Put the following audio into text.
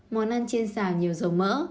món ăn chiên xào nhiều dầu mỡ